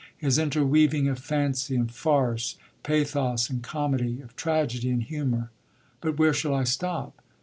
His inter weaving of fancy and farce, pathos and comedy, of tragedy and humour. But where shall I stop?